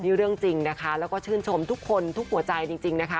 นี่เรื่องจริงนะคะแล้วก็ชื่นชมทุกคนทุกหัวใจจริงนะคะ